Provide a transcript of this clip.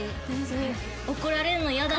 怒られるのイヤだ。